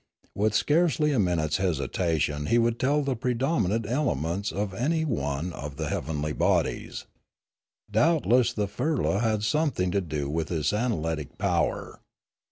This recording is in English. With scarcely a minute's hesitation he would tell the predominant elements in any one of the heavenly bodies. Doubtless the firla had something to do with this analytic power.